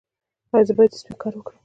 ایا زه باید جسمي کار وکړم؟